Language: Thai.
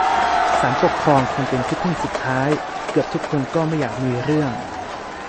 ศาลปกครองคงเป็นที่พึ่งสุดท้าย เกือบทุกคนก็ไม่อยากมีเรื่อง